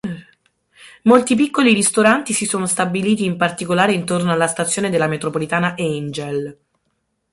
Molti piccoli ristoranti si sono stabiliti in particolare intorno alla stazione della metropolitana Angel.